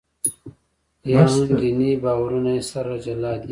یا هم دیني باورونه یې سره جلا دي.